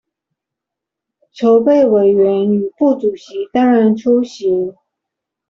籌備委員與副主席當然出席